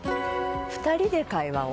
２人で会話を。